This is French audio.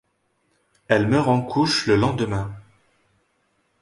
Elle meurt en couches le lendemain.